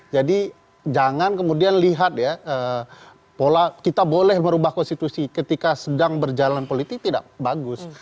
jadi jangan kemudian lihat ya pola kita boleh merubah konstitusi ketika sedang berjalan politik tidak bagus